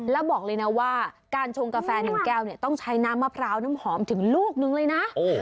แล้วบอกเลยนะว่าการชงกาแฟ๑แก้วเนี่ยต้องใช้น้ำมะพร้าวน้ำหอมถึงลูกนึงเลยนะ